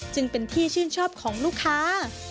จึงเป็นที่ชื่นชอบของลูกค้า